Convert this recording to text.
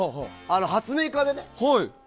発明家でね。